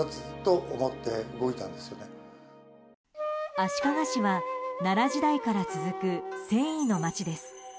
足利市は、奈良時代から続く繊維の街です。